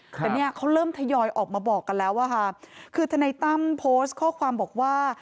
แต่เนี่ยเขาเริ่มทยอยออกมาบอกกันแล้วอะค่ะคือทนายตั้มโพสต์ข้อความบอกว่า